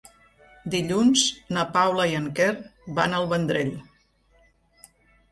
Dilluns na Paula i en Quer van al Vendrell.